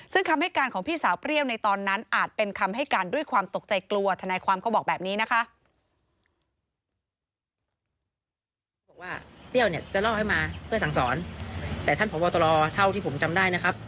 ซึ่งคำให้การของพี่สาวเปรี้ยวในตอนนั้นอาจเป็นคำให้การด้วยความตกใจกลัวทนายความเขาบอกแบบนี้นะคะ